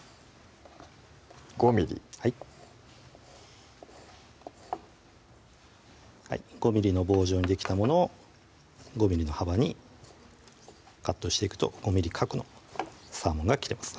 ５ｍｍはい５ｍｍの棒状にできたものを５ｍｍの幅にカットしていくと５ｍｍ角のサーモンが切れます